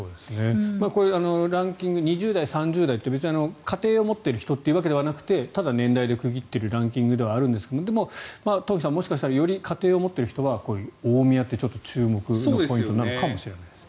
これ、ランキング２０代、３０代って別に家庭を持っている人というわけではなくてただ年代で区切っているランキングではあるんですが東輝さん、もしかしたらより家庭を持っている人は大宮ってちょっと注目のポイントなのかもしれないですね。